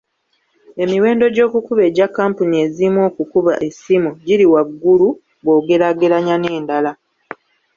Emiwendo gy'okukubaegya kampuni ezimu okukuba essimu giri waggulu bw'ogeraageranya n'endala.